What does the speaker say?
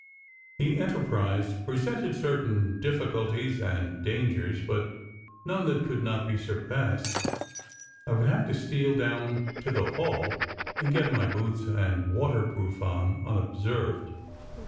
The enterprise presented certain difficulties arid dangers, but none that could not be surpassed. I would have to steal down to the hall and get my boots and waterproof on unobserved.